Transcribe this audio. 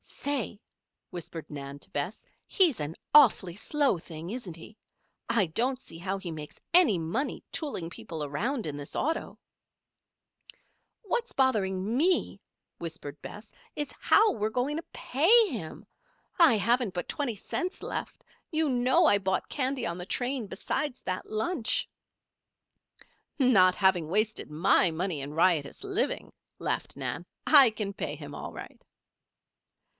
"Say!" whispered Nan to Bess. "He's an awfully slow thing, isn't he? I don't see how he makes any money tooling people around in this auto." "What's bothering me," whispered Bess, "is how we're going to pay him? I haven't but twenty cents left. You know I bought candy on the train, beside that lunch." "Not having wasted my money in riotous living," laughed Nan, "I can pay him all right."